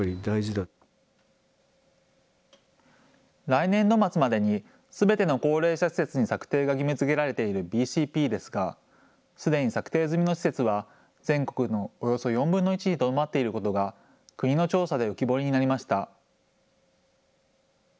来年度末までにすべての高齢者施設に策定が義務づけられているＢＣＰですがすでに策定済みの施設は全国のおよそ４分の１にとどまっていることが国の調査で浮き彫りになりました。